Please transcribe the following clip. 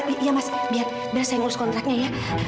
iya mas biar saya ngurus kontraknya ya